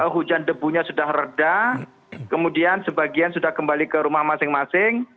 hujan debunya sudah reda kemudian sebagian sudah kembali ke rumah masing masing